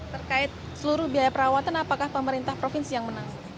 terkait seluruh biaya perawatan apakah pemerintah provinsi yang menang